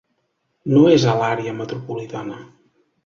No és a l’àrea metropolitana.